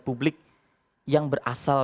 publik yang berasal